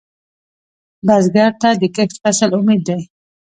بزګر ته د کښت فصل امید دی